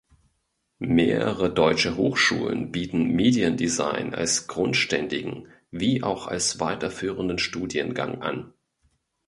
Mehrere deutsche Hochschulen bieten Mediendesign als grundständigen, wie auch als weiterführenden Studiengang an.